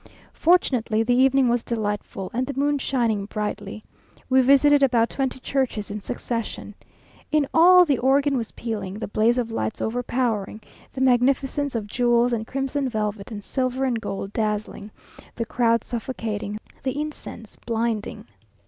Fortunately the evening was delightful, and the moon shining brightly. We visited about twenty churches in succession. In all the organ was pealing, the blaze of light overpowering, the magnificence of jewels and crimson velvet and silver and gold dazzling, the crowd suffocating, the incense blinding.